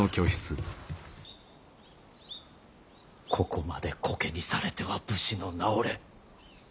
ここまでコケにされては武士の名折れ。